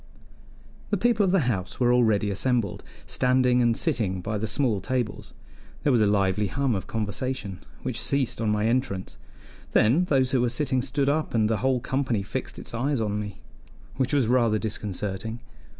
The people of the house were already assembled, standing and sitting by the small tables. There was a lively hum of conversation, which ceased on my entrance; then those who were sitting stood up and the whole company fixed its eyes on me, which was rather disconcerting.